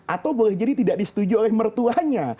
atau boleh jadi tidak disetujui oleh mertuanya